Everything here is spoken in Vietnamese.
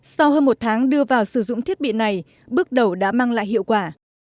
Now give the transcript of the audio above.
sau hơn một tháng đưa vào sử dụng thiết bị này bước đầu đã mang lại hiệu quả